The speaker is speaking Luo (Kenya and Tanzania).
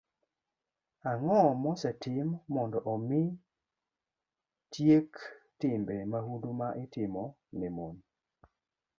Ang'o mosetim mondo omi tiek timbe mahundu ma itimo ne mon?